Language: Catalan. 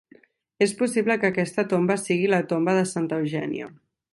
És possible que aquesta tomba sigui la tomba de Santa Eugènia.